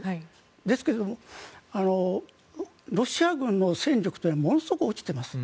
ですけどロシア軍の戦力というのはものすごく落ちています。